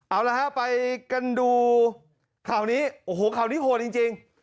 เอาละฮะไปกันดูข่าวนี้โอ้โหข่าวนี้โหดจริง